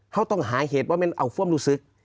เขาต้องหาเหตุว่ามันเอาความรู้สึก